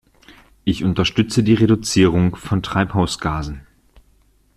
Ich unterstütze die Reduzierung von Treibhausgasen.